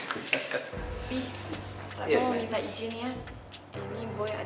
ini boy ada datang ke sini